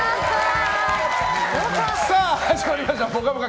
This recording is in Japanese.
始まりました「ぽかぽか」